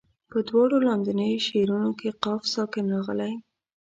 په دواړو لاندنیو شعرونو کې قاف ساکن راغلی.